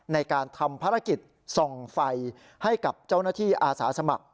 ในการทำภารกิจส่องไฟให้กับเจ้าหน้าที่อาสาสมัคร